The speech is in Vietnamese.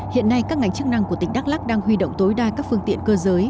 hiện nay các ngành chức năng của tỉnh đắk lắc đang huy động tối đa các phương tiện cơ giới